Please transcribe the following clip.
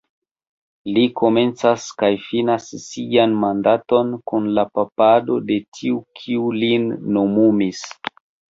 Li komencas kaj finas sian mandaton kun la papado de tiu kiu lin nomumis.